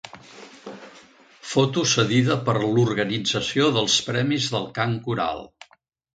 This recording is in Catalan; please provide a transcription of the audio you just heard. Foto cedida per l'organització dels Premis del Cant Coral.